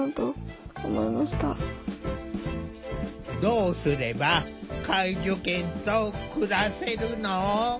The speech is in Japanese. どうすれば介助犬と暮らせるの？